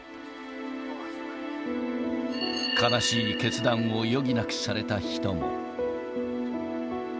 悲しい決断を余儀なくされた人も。